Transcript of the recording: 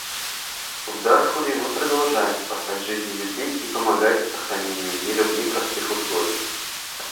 В Дарфуре мы продолжаем спасать жизни людей и помогать сохранению мира в непростых условиях.